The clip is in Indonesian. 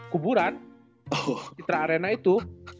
kuburan citra arena itu